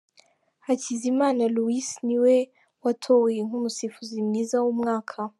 Hakizimana Louis ni we utowe nk’umusifuzi mwiza w’umwaka.